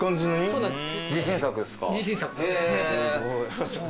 そうなんです。